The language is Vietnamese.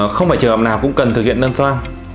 không phải trường hợp nào cũng cần thực hiện nâng so